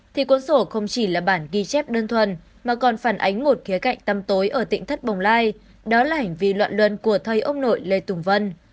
thì cuốn sổ không chỉ là bản ghi chép đơn thuần mà còn phản ánh một khía cạnh tăm tối ở tỉnh thất bồng lai đó là hành vi loạn luân của thầy ông nội lê tùng vân